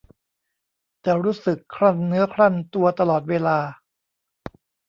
จะรู้สึกครั่นเนื้อครั่นตัวตลอดเวลา